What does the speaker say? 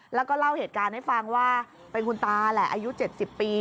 แล้วก็เล่าเหตุการณ์ให้ฟังว่าเป็นคุณตาแหละอายุ๗๐ปี